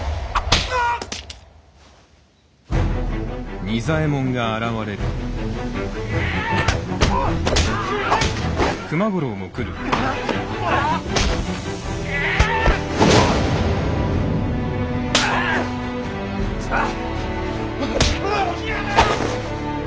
あっ！さあ！